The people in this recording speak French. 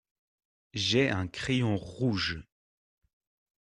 J’ai un crayon rouge.